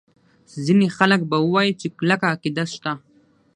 ځیني خلک به ووایي چې کلکه عقیده شته.